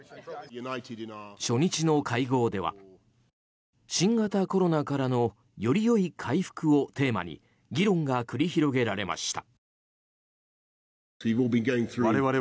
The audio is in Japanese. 初日の会合では新型コロナからのより良い回復をテーマに議論が繰り広げられました。